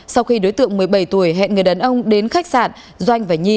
sau khi đối tượng một mươi bảy tuổi hẹn người đàn ông đến khách sạn doanh và nhi